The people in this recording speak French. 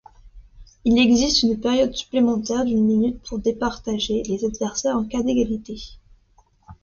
Il existe une période supplémentaire d'une minute pour départager les adversaires en cas d'égalité.